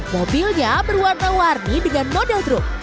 mobilnya berwarna warni dengan model truk